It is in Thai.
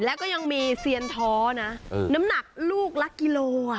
แล้วก็ยังมีเซียนท้อนะน้ำหนักลูกละกิโล